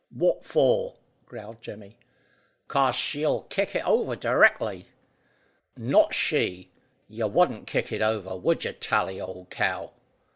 "What for?" growled Jemmy. "'Cause she'll kick it over directly." "Not she. You wouldn't kick it over, would you, Tally, old cow?"